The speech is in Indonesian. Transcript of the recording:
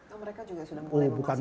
oh mereka juga sudah mulai memasak